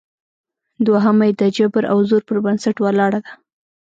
دوهمه یې د جبر او زور پر بنسټ ولاړه ده